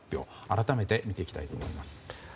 改めて見ていきたいと思います。